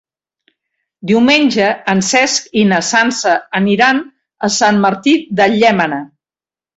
Diumenge en Cesc i na Sança aniran a Sant Martí de Llémena.